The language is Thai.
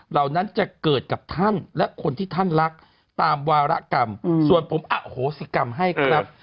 เหล่านั้นจะเกิดกับท่านและคนที่ท่านรักตามวารกรรมส่วนผมอโหสิกรรมให้ครับ